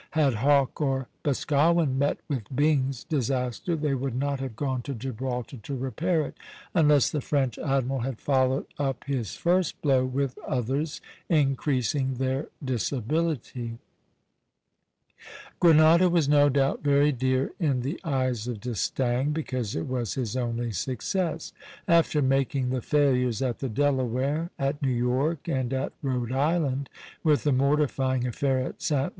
Had Hawke or Boscawen met with Byng's disaster, they would not have gone to Gibraltar to repair it, unless the French admiral had followed up his first blow with others, increasing their disability. Grenada was no doubt very dear in the eyes of D'Estaing, because it was his only success. After making the failures at the Delaware, at New York, and at Rhode Island, with the mortifying affair at Sta.